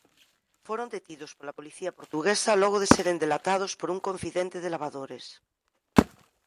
Foron detidos pola policía portuguesa logo de seren delatados por un confidente de Lavadores.